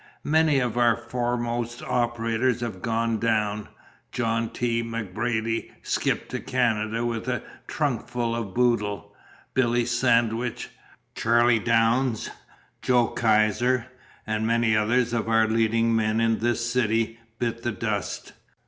Many of our foremost operators have gone down: John T. M'Brady skipped to Canada with a trunkful of boodle; Billy Sandwith, Charlie Downs, Joe Kaiser, and many others of our leading men in this city bit the dust.